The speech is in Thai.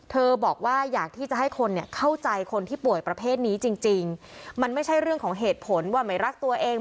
บอกว่าอยากที่จะให้คนเนี่ยเข้าใจคนที่ป่วยประเภทนี้จริงจริงมันไม่ใช่เรื่องของเหตุผลว่าไม่รักตัวเอง